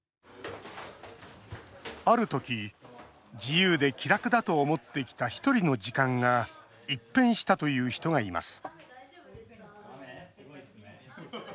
ある時、自由で気楽だと思ってきたひとりの時間が一変したという人がいます